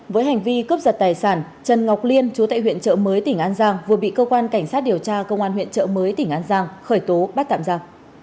với hành vi cướp giật tài sản trần ngọc liên chú tại huyện trợ mới tỉnh an giang vừa bị cơ quan cảnh sát điều tra công an huyện trợ mới tỉnh an giang khởi tố bắt tạm ra